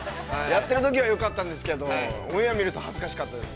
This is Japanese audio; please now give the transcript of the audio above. ◆やってるときは、よかったんですけどオンエア見ると恥ずかしかったです。